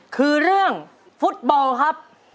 คือเรื่องฟุตบอลครับ